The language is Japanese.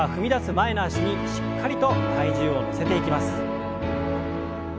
前の脚にしっかりと体重を乗せていきます。